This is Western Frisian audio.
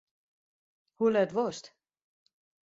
Hoe let wolst?